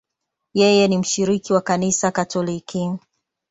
Yeye ni mshiriki wa Kanisa Katoliki.